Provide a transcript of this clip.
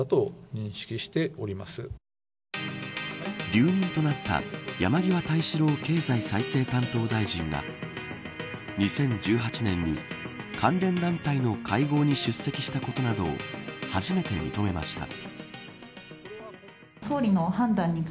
留任となった山際大志郎経済再生担当大臣が２０１８年に関連団体の会合に出席したことなどを初めて認めました。